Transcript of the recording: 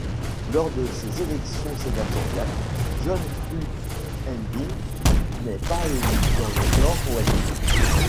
Lors de ces élections sénatoriales, John Fru Ndi n'est pas élu dans le Nord-Ouest.